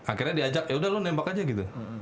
akhirnya diajak yaudah lu nembak aja gitu